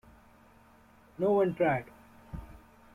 No one tried.